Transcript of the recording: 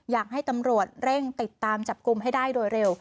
อยากให้ตำรวจเร่งติดตามจับกลุ่มให้ได้โดยเร็ว